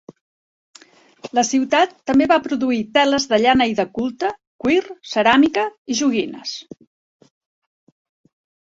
La ciutat també va produir teles de llana i de culte, cuir, ceràmica i joguines.